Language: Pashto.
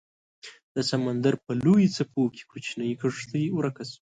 د سمندر په لویو څپو کې کوچنۍ کیشتي ورکه شوه